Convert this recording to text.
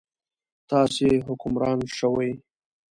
تاسې حکمران شوئ.